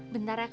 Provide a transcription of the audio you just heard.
bentar ya kak